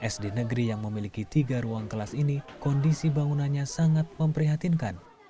sd negeri yang memiliki tiga ruang kelas ini kondisi bangunannya sangat memprihatinkan